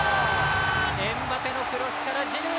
エムバペのクロスからジルー！